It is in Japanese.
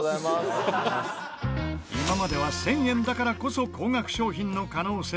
今までは１０００円だからこそ高額商品の可能性があったが。